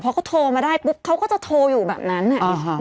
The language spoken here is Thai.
พอเขาโทรมาได้ปุ๊บเขาก็จะโทรอยู่แบบนั้น